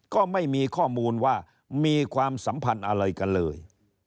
ก็ไม่มีข้อมูลว่ามีความสัมพันธ์อะไรกันเลย